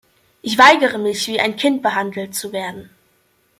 Ich weigere mich, wie ein Kind behandelt zu werden.